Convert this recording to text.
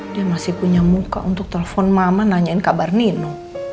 dia masih punya muka untuk telepon mama nanyain kabar nino